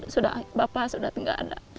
sudah bapak sudah tidak ada